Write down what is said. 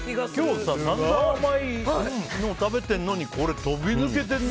今日、散々甘いの食べてるのにこれ、飛び抜けてるな。